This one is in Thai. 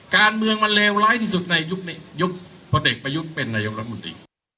การเมืองมันเลวไร้ที่สุดในยุคนี้พอเด็กประยุทธ์เป็นนายกรมดิ